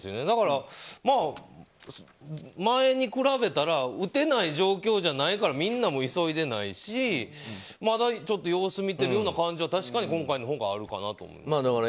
だから、前に比べたら打てない状況じゃないからみんなも急いでないしまだ様子見ているような感じは確かに今回のほうがあるかなとは思います。